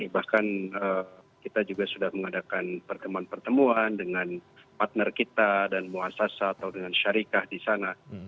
bahkan kita juga sudah mengadakan pertemuan pertemuan dengan partner kita dan muasasa atau dengan syarikah di sana